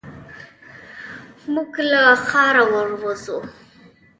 موږ له ښاره ور وځو.